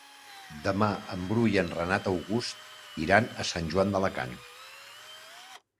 Demà en Bru i en Renat August iran a Sant Joan d'Alacant.